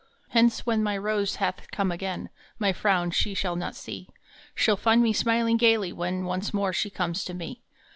Hence when my rose hath come again My frown she shall not see. She ll find me smiling gaily when Once more she comes to me.